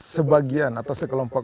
sebagian atau sekelompok